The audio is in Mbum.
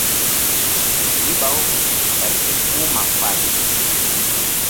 Riɓa-u el ke puh ma fal.